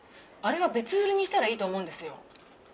あれは別売りにしたらいいと思うんですよ。